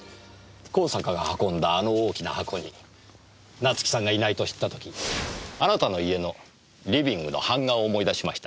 香坂が運んだあの大きな箱に夏樹さんがいないと知った時あなたの家のリビングの版画を思い出しました。